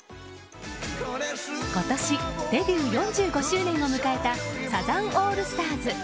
今年デビュー４５周年を迎えたサザンオールスターズ。